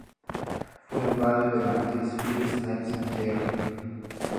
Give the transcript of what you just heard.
Fue el padre de la actriz Phyllis Neilson-Terry.